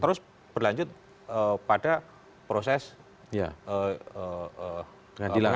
terus berlanjut pada proses pengadilan